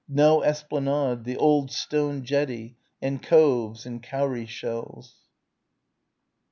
no esplanade, the old stone jetty and coves and cowrie shells....